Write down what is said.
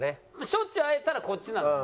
しょっちゅう会えたらこっちなの？